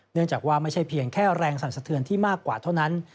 เนื่องจากว่าไม่ใช่เพียงแค่แรงสั่นสะเทือนที่มากกว่าเท่านั้น